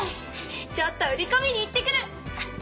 ちょっと売りこみに行ってくる！